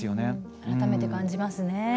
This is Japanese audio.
改めて感じますね。